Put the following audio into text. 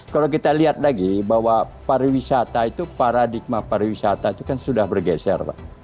kalau kita lihat lagi bahwa pariwisata itu paradigma pariwisata itu kan sudah bergeser